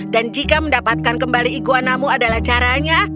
dan jika mendapatkan kembali ikuanamu adalah caranya